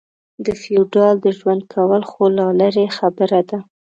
د فېوډال د ژوند کول خو لا لرې خبره ده.